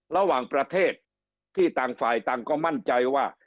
ระหว่างประเทศที่ต่างฝ่ายต่างก็มั่นใจว่า